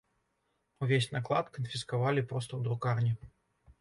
Увесь наклад канфіскавалі проста ў друкарні.